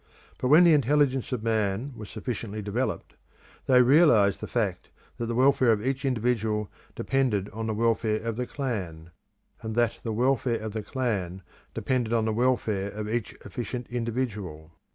But when the intelligence of man was sufficiently developed, they realised the fact that the welfare of each individual depended on the welfare of the clan, and that the welfare of the clan depended on the welfare of each efficient individual.